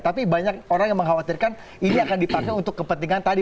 tapi banyak orang yang mengkhawatirkan ini akan dipakai untuk kepentingan tadi